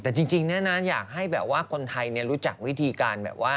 แต่จริงอยากให้คนไทยรู้จักวิธีการ